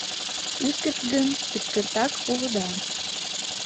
— Ӱскырт гын, ӱскыртак улыда...